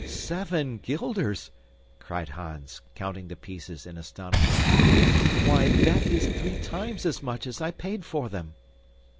"Seven guilders!" cried Hans, counting the pieces in astonishment. "Why, that is three times as much as I paid for them."